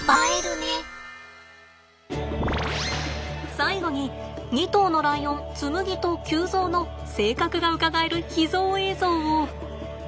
最後に２頭のライオンつむぎと臼三の性格がうかがえる秘蔵映像を。